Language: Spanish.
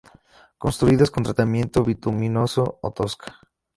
Construidas con tratamiento bituminoso o tosca.